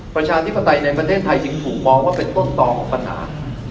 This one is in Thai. ประชาธิปไตยในประเทศไทยจึงถูกมองว่าเป็นต้นต่อของปัญหา